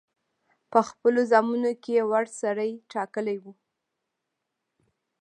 په خپلو زامنو کې وړ سړی ټاکلی وو.